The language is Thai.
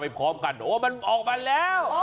ต่างก็เพ่งพิจารณาไปพร้อมกันโอ้มันออกมาแล้ว